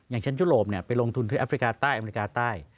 อย่างเช่นยุโรปไปลงทุนที่แอฟริกาใต้อเมริกาใต้